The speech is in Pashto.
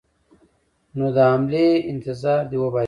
نو د حملې انتظار دې وباسي.